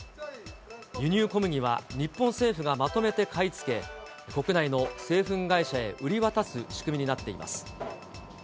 輸入小麦は日本政府がまとめて買い付け、国内の製粉会社へ売り渡す仕組みになっています。